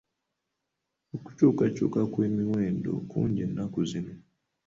Okukyukakyuka kw'emiwendo kungi nnaku zino.